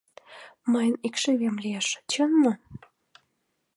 Мыйын икшывем лиеш, чын мо?